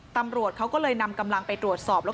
ตำรวจเขาก็เลยนำกำลังไปตรวจสอบแล้ว